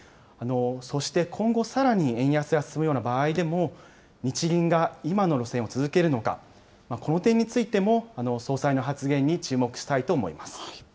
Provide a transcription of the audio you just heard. そして今後さらに円安が進むような場合でも、日銀が今の路線を続けるのか、この点についても総裁の発言に注目したいと思います。